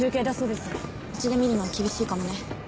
うちで診るのは厳しいかもね。